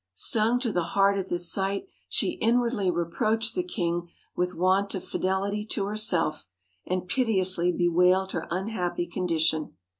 Stung to the heart at this sight she in wardly reproached the king with want of fidelity to herself, and piteously bewailed her unhappy condition.